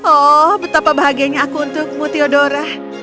oh betapa bahagianya aku untukmu theodora